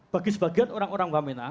bagi sebagian orang orang wamena